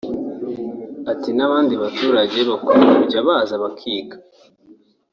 Ati” N’abandi baturage bakwiye kujya baza bakiga